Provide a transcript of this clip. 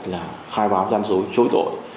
là khai báo dân số chối tội